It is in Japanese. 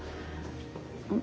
うん。